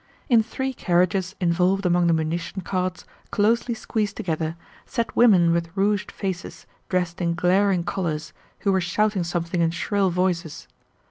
In three carriages involved among the munition carts, closely squeezed together, sat women with rouged faces, dressed in glaring colors, who were shouting something in shrill voices.